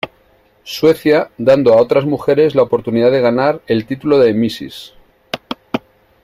Suecia, dando a otras mujeres la oportunidad de ganar el título de Mrs.